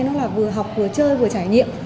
nó là vừa học vừa chơi vừa trải nghiệm